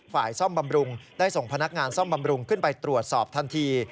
ฝ่ายซ่อมบำรุงได้ส่งพนักงานซ่อมบำรุงขึ้นไปตรวจสอบทันที